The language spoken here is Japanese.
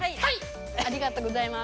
ありがとうございます。